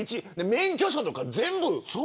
免許証とか全部。